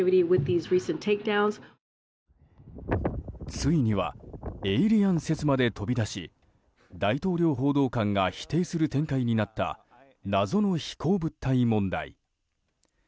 ついにはエイリアン説まで飛び出し大統領報道官が否定する展開になった謎の飛行物体問題。